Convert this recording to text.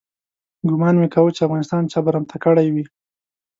ګومان مې کاوه چې افغانستان چا برمته کړی وي.